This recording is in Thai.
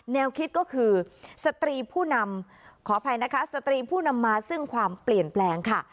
แนวคิดก็คือสตรีผู้นำขออภัยนะคะสตรีผู้นำมาซึ่งความเปลี่ยนแปลงค่ะ